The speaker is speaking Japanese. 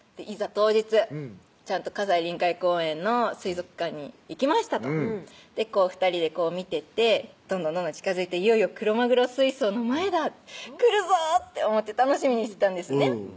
当日ちゃんと葛西臨海公園の水族館に行きましたと２人でこう見ててどんどんどんどん近づいていよいよクロマグロ水槽の前だ来るぞ！って思って楽しみにしてたんですね